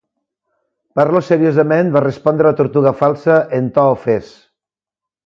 "Parlo seriosament", va respondre la Tortuga Falsa en to ofès.